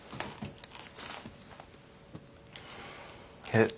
え？